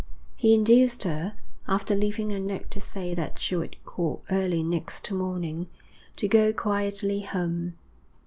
He induced her, after leaving a note to say that she would call early next morning, to go quietly home.